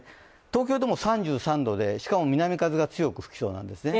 東京でも３３度で、しかも南風が強く吹きそうなんですね。